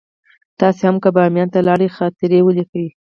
تاسې هم که باميان ته لاړئ خاطرې ولیکئ.